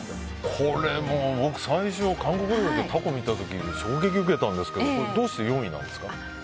これも僕、最初韓国料理でタコを見た時に衝撃を受けたんですけどどうして４位なんですか？